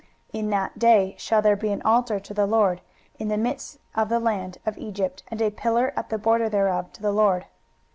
23:019:019 In that day shall there be an altar to the LORD in the midst of the land of Egypt, and a pillar at the border thereof to the LORD.